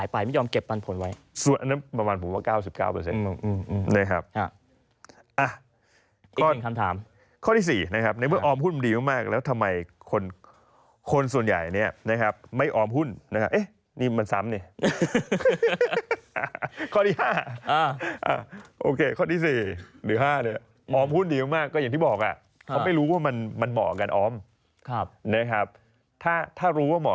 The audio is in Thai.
เพราะคนใหญ่เล่นขุนผมว่าเล่นแบบไม่มีสติถูกไหม